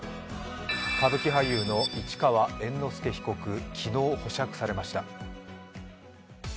歌舞伎俳優の市川猿之助被告、昨日保釈されました。